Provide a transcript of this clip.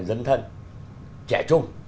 dân thân trẻ trung